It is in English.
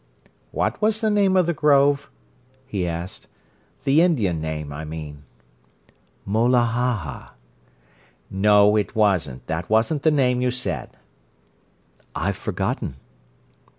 "What was the name of the grove?" he asked. "The Indian name, I mean." "Mola Haha." "No, it wasn't; that wasn't the name you said." "I've forgotten."